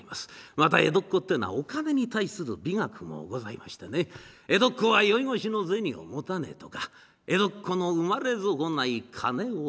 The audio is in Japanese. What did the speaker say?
また江戸っ子ってえのはお金に対する美学もございましてね「江戸っ子は宵越しの銭を持たねえ」とか「江戸っ子の生まれ損ない金を貯め」